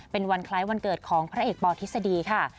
เป็นวันคล้ายวันเกิดของพระเอกปธิษฎีค่ะ